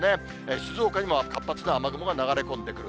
静岡にも活発な雨雲が流れ込んでくる。